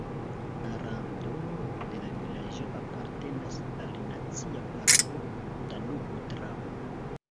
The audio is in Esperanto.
Rando de la vilaĝo apartenas al Nacia parko Danubo-Dravo.